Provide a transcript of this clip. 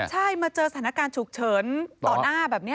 ใช่มาเจอสถานการณ์ฉุกเฉินต่อหน้าแบบนี้